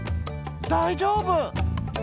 「だいじょうぶ！」。